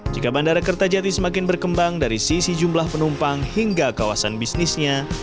jika bandara kertajati semakin berkembang dari sisi jumlah penumpang hingga kawasan bisnisnya